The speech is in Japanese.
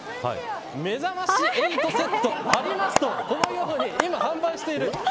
めざまし８セットありますとこのように今、販売している。